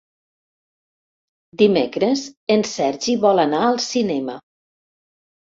Dimecres en Sergi vol anar al cinema.